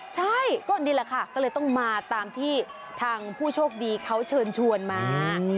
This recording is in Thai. ใช่ก็นี่แหละค่ะก็เลยต้องมาตามที่ทางผู้โชคดีเขาเชิญชวนมา